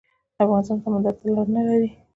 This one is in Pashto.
افغانستان سمندر ته لاره نلري